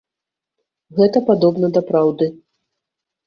Гэта падобна да праўды.